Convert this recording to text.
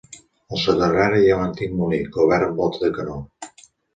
Al soterrani hi ha un antic molí, cobert amb volta de canó.